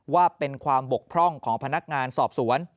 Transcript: ว่าเป็นความบกพร่องของพนักงานสอบสวน